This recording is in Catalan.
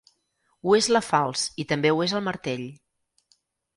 Ho és la falç i també ho és el martell.